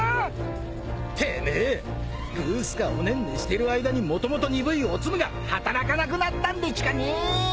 ぐーすかおねんねしてる間にもともと鈍いおつむが働かなくなったんでちゅかねぇ。